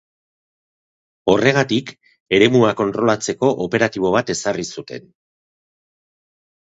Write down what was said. Horregatik, eremua kontrolatzeko operatibo bat ezarri zuten.